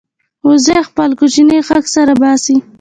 وزې خپل کوچنی غږ سره باسي